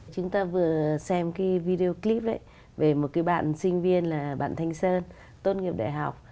chúng ta vừa xem cái video clip ấy về một cái bạn sinh viên là bạn thanh sơn tốt nghiệp đại học